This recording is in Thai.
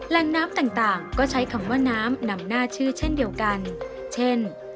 แหล่งน้ำต่างก็ใช้คำว่าน้ำนำหน้าชื่อเช่นเดียวกันเช่น